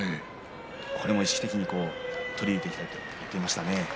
これを意識的に取り入れていきたいと言っていました。